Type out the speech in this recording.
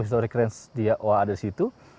historic range owa ada di situ